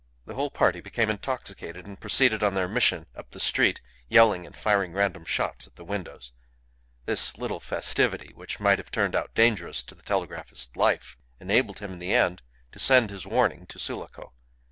The whole party became intoxicated, and proceeded on their mission up the street yelling and firing random shots at the windows. This little festivity, which might have turned out dangerous to the telegraphist's life, enabled him in the end to send his warning to Sulaco.